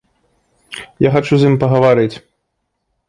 Я хачу з ім пагаварыць.